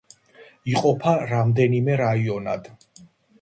იყოფა რამდენიმე რაიონად.